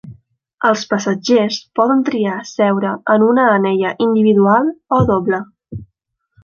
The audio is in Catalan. Els passatgers poden triar seure en una anella individual o doble.